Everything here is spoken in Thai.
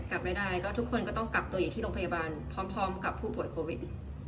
กลับไม่ได้ก็ทุกคนก็ต้องกักตัวอยู่ที่โรงพยาบาลพร้อมกับผู้ป่วยโควิด